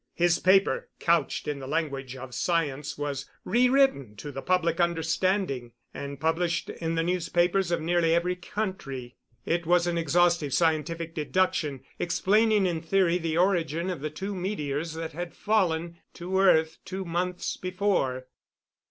His paper, couched in the language of science, was rewritten to the public understanding and published in the newspapers of nearly every country. It was an exhaustive scientific deduction, explaining in theory the origin of the two meteors that had fallen to earth two months before.